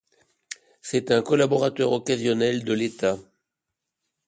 C'est un collaborateur occasionnel de l'État.